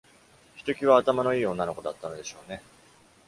ひときわ頭のいい女の子だったのでしょうね。